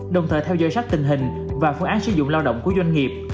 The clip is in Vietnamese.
đồng thời theo dõi sát tình hình và phương án sử dụng lao động của doanh nghiệp